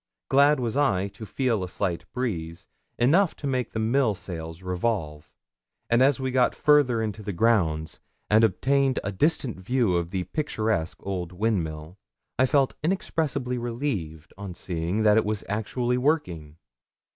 Glad was I to feel a slight breeze, enough to make the mill sails revolve; and as we got further into the grounds, and obtained a distant view of the picturesque old windmill, I felt inexpressibly relieved on seeing that it was actually working.